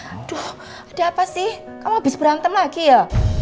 aduh ada apa sih kamu habis berantem lagi ya